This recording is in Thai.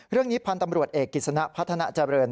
เรื่องนี้พันธ์ตำรวจเอกกิจสนะพัฒนาเจริญ